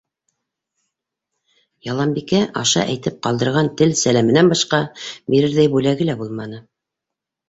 Яланбикә аша әйтеп ҡалдырған тел сәләмәнән башҡа бирерҙәй бүләге лә булманы.